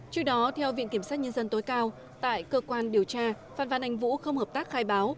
trước đó theo viện kiểm sát nhân dân tối cao tại cơ quan điều tra phan văn anh vũ không hợp tác khai báo